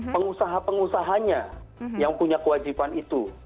pengusaha pengusahanya yang punya kewajiban itu